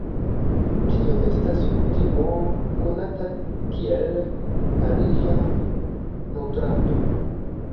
Tio estas kutimo konata kiel "pariĝa nutrado".